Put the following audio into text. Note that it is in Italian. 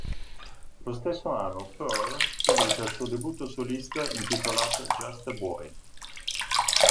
Lo stesso anno Pearl pubblica il suo debutto solista intitolato "Just A Boy".